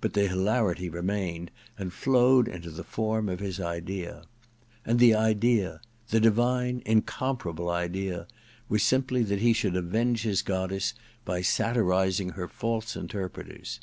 But the hilarity remained, and flowed into the form of his idea. And the idea — ^the divine incomparable idea — was simply that he should avenge his goddess by satirizing her false interpreters.